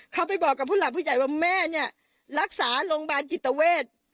เขาไปบอกกับผู้หลักผู้ใหญ่ว่าแม่เนี่ยรักษาโรงพยาบาลจิตเวท